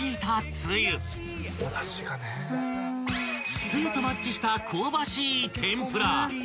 ［つゆとマッチした香ばしい］